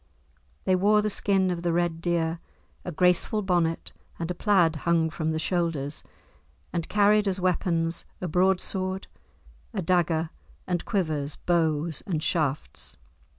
They wore the skin of the red deer, a graceful bonnet, and a plaid hung from the shoulders, and carried as weapons a broadsword, a dagger, and quivers, bows, and shafts.